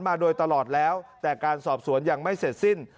มาโดยตลอดแล้วแต่การสอบสวนยังไม่เสร็จสิ้น